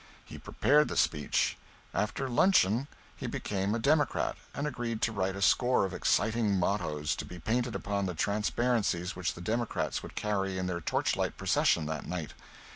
He prepared the speech. After luncheon he became a Democrat and agreed to write a score of exciting mottoes to be painted upon the transparencies which the Democrats would carry in their torchlight procession that night.